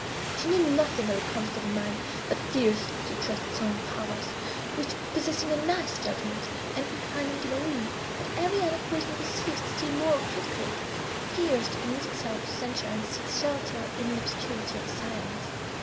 She knew nothing of the conduct of a mind, that fears to trust its own powers; which, possessing a nice judgment, and inclining to believe, that every other person perceives still more critically, fears to commit itself to censure, and seeks shelter in the obscurity of silence.